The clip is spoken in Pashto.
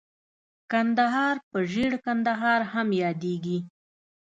کندهار په ژړ کندهار هم ياديږي.